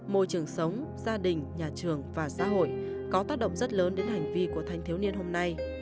môi trường sống gia đình nhà trường và xã hội có tác động rất lớn đến hành vi của thanh thiếu niên hôm nay